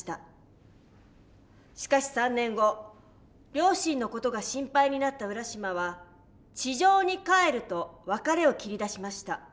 しかし３年後両親の事が心配になった浦島は「地上に帰る」と別れを切り出しました。